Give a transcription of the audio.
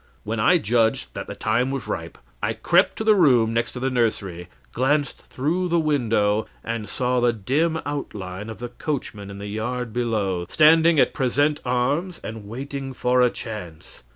When I judged that the time was ripe, I crept to the room next the nursery, glanced through the window, and saw the dim outline of the coachman in the yard below, standing at present arms and waiting for a chance.